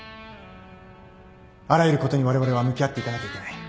あらゆることにわれわれは向き合っていかなきゃいけない。